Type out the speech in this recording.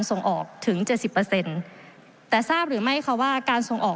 ส่งออกถึงเจ็ดสิบเปอร์เซ็นต์แต่ทราบหรือไม่ค่ะว่าการส่งออก